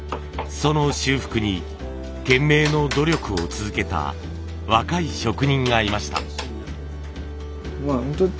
その修復に懸命の努力を続けた若い職人がいました。